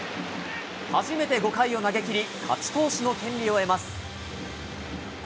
初めて５回を投げきり、勝ち投手の権利を得ます。